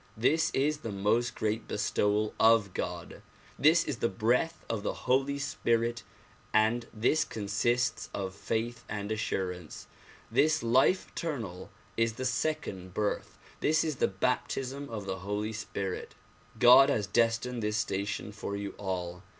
This is the most great bestowal of God. This is the breath of the Holy Spirit and this consists of faith and assurance. This life eternal is the second birth; this is the baptism of the Holy Spirit. God has destined this station for you all.